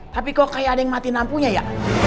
tapi kok kayak ada yang mati lampunya ya